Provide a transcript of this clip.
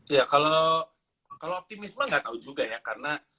ya kalau optimisme nggak tahu juga ya karena